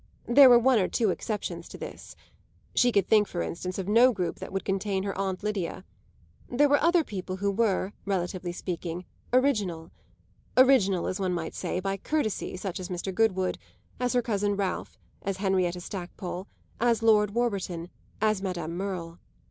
There were one or two exceptions to this; she could think for instance of no group that would contain her aunt Lydia. There were other people who were, relatively speaking, original original, as one might say, by courtesy such as Mr. Goodwood, as her cousin Ralph, as Henrietta Stackpole, as Lord Warburton, as Madame Merle.